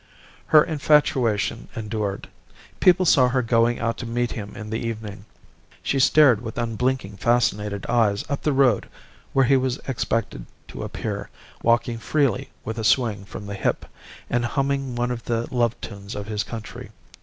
"Her infatuation endured. People saw her going out to meet him in the evening. She stared with unblinking, fascinated eyes up the road where he was expected to appear, walking freely, with a swing from the hip, and humming one of the love tunes of his country.